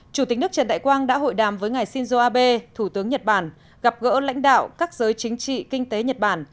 chủ tịch nước trần đại quang đã hội đàm với ngài shinzo abe thủ tướng nhật bản gặp gỡ lãnh đạo các giới chính trị kinh tế nhật bản